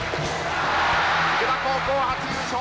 池田高校初優勝！